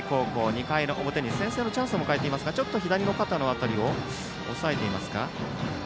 ２回の表に先制のチャンスを迎えていますがちょっと左の肩の辺りを押さえていますか。